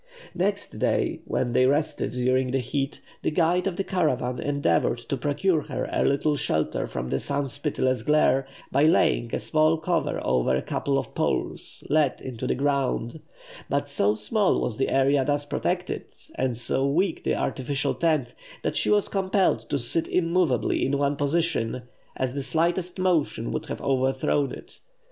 Next day, when they rested during the heat, the guide of the caravan endeavoured to procure her a little shelter from the sun's pitiless glare by laying a small cover over a couple of poles let into the ground; but so small was the area thus protected, and so weak the artificial tent, that she was compelled to sit immovably in one position, as the slightest motion would have overthrown it.